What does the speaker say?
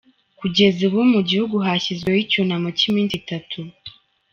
Kugeza ubu mu gihugu hashyizweho icyunamo cy’iminsi itatu.